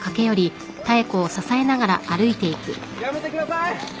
やめてください。